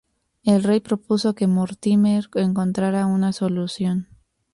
El rey propuso que Mortimer encontrara una solución.